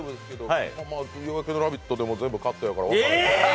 「夜明けのラヴィット！」でも全部カットやからえ！